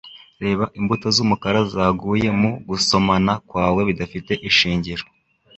Reba imbuto z'umukara zaguye mu gusomana kwawe bidafite ishingiro